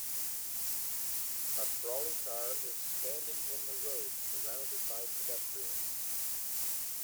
A trolley car is standing in the road surrounded by pedestrians